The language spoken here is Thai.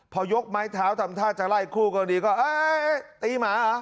พอยกไม้เท้าทำท่าจะไล่คู่กรณีก็เอ๊ะตีหมาเหรอ